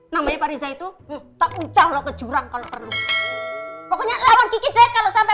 namanya pari itu tak usah lo ke jurang kalau perlu pokoknya kalau sampai